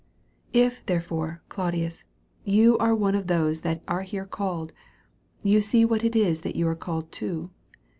If, therefore, Claudius^ you are one of those that ^re here called, you see what it is that you are called to.